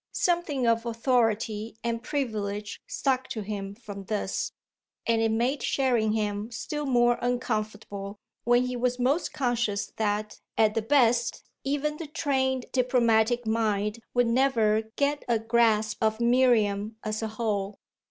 Something of authority and privilege stuck to him from this, and it made Sherringham still more uncomfortable when he was most conscious that, at the best, even the trained diplomatic mind would never get a grasp of Miriam as a whole.